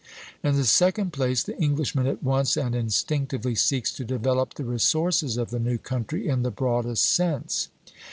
In the second place, the Englishman at once and instinctively seeks to develop the resources of the new country in the broadest sense.